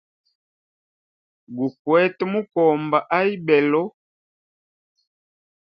Gukwete mukomba a ibelo.